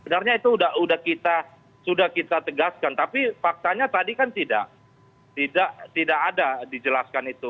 sebenarnya itu sudah kita tegaskan tapi faktanya tadi kan tidak ada dijelaskan itu